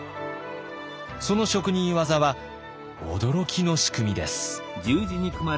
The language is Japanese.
その職人技は驚きの仕組みです。